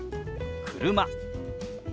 「車」。